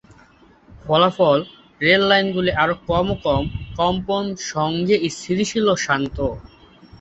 ফলাফল রেল লাইনগুলি আরও কম কম কম্পন সঙ্গে স্থিতিশীল ও শান্ত।